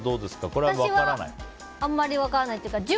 私はあまり分からないというか。